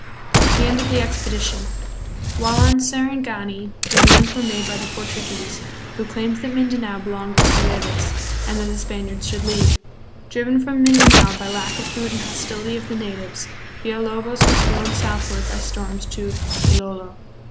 The End of the Expedition. While on Sarangani demands were made by the Portuguese, who claimed that Mindanao belonged with Celebes, and that the Span iards should leave. Driven from Mindanao by lack of food and hostility of the natives, Villalobos was blown southward by storms to Gilolo.